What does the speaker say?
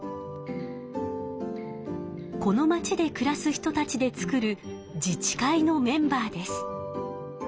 このまちでくらす人たちで作る自治会のメンバーです。